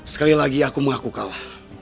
sekali lagi aku mengaku kalah